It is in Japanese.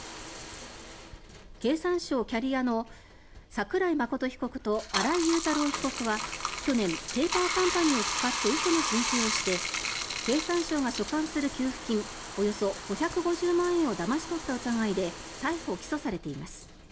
経産省キャリアの桜井真被告と新井雄太郎被告は去年ペーパーカンパニーを使って嘘の申請をして経産省が所管する給付金およそ５５０万円をだまし取った疑いで逮捕・起訴されています。